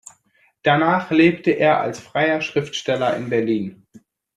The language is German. Danach lebte er als freier Schriftsteller in Berlin.